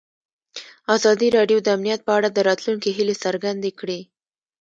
ازادي راډیو د امنیت په اړه د راتلونکي هیلې څرګندې کړې.